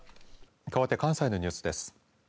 かわって関西のニュースです。